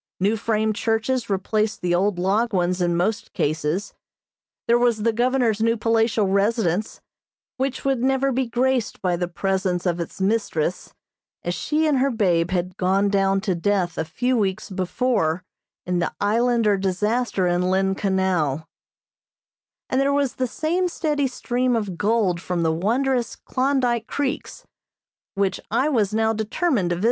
New frame churches replaced the old log ones in most cases. There was the governor's new palatial residence which would never be graced by the presence of its mistress as she and her babe had gone down to death a few weeks before in the Islander disaster in Lynn Canal; and there was the same steady stream of gold from the wondrous Klondyke Creeks, which I was now determined to visit.